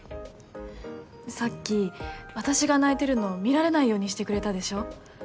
さっき私が泣いてるのを見られないようにしてくれたでしょ？